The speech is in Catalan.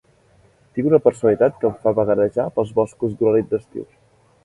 Tinc una personalitat que em fa vagarejar pels boscos d'una nit d'estiu.